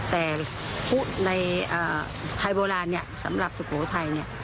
แต่พุทธในไทยโบราณสำหรับสุโปรไทย